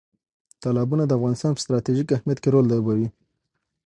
تالابونه د افغانستان په ستراتیژیک اهمیت کې رول لوبوي.